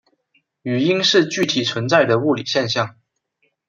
语音是具体存在的物理现象。